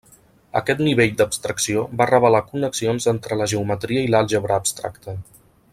Aquest nivell d'abstracció va revelar connexions entre la geometria i l'àlgebra abstracta.